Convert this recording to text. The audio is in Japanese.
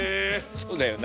そうだよな。